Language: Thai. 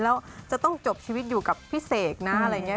แล้วจะต้องจบชีวิตอยู่กับพี่เสกนะอะไรอย่างนี้